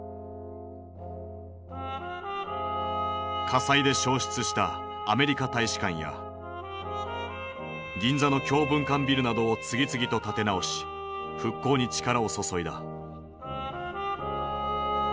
火災で焼失したアメリカ大使館や銀座の教文館ビルなどを次々と建て直し復興に力を注いだ。